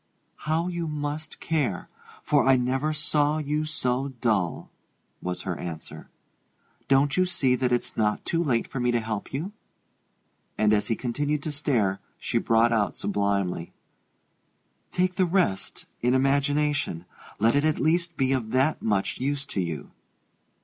"How you must care! for I never saw you so dull," was her answer. "Don't you see that it's not too late for me to help you?" And as he continued to stare, she brought out sublimely: "Take the rest in imagination! Let it at least be of that much use to you.